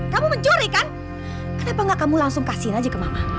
kamu mencuri kan kenapa gak kamu langsung kasihin aja ke mama